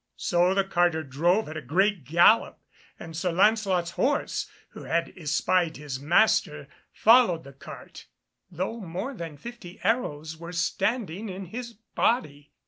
So the carter drove at a great gallop, and Sir Lancelot's horse, who had espied his master, followed the cart, though more than fifty arrows were standing in his body.